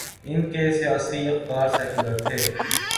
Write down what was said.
ان کے سیاسی افکار سیکولر تھے۔